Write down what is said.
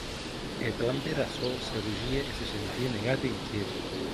E, plan per açò, se rogie e se sentie negat e inquiet.